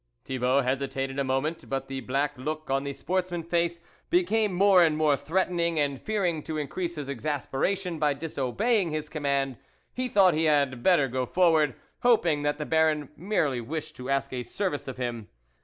Thibault hesitated a moment, but the black look on the sportsman's face be came more and more threatening, and fearing to increase his exasperation by disobeying his command, he thought he had better go forward, hoping that the Baron merely wished to ask a service of him.